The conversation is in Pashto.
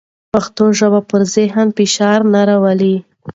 پښتو ژبه پر ذهن فشار نه راولي.